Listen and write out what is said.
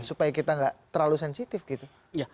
supaya kita nggak terlalu sensitif gitu